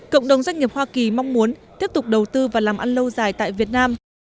cộng đồng doanh nghiệp hoa kỳ mong muốn tiếp tục đầu tư và làm ăn lâu dài tại việt nam